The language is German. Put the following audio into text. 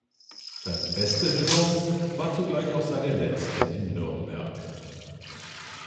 Seine beste Saison war zugleich auch seine letzte in Nürnberg.